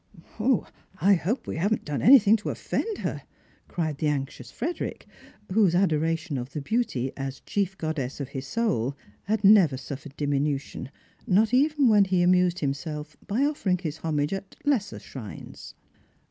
" I hope we haven't done anything to offend her," cried the anxious Frederick, whose adoration of "the beauty," as chief goddess of his soul, had never suffered diminution, not even when he amused himself by offering his homage at lesser shrines.